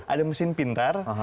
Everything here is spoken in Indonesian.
ada mesin pintar